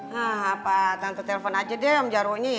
nah apa tante telpon aja deh om jarwo nya ya